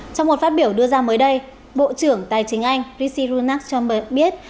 trong một phát biểu đưa ra mới đây bộ trưởng tài chính anh rishi runak sunberg biết